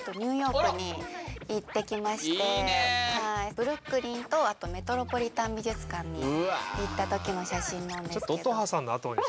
ブルックリンとあとメトロポリタン美術館に行った時の写真なんですけど。